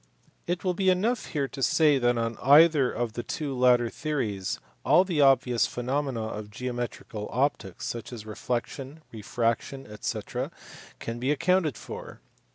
It will be enough here to say that on either of the two latter theories all the obvious phenomena of geometrical optics such as reflexion, refraction, &c., can be accounted for.